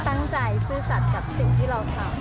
ตั้งใจชื่อสัตว์กับสิ่งที่เราชอบ